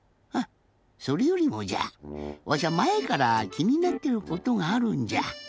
それよりもじゃわしゃまえからきになってることがあるんじゃ。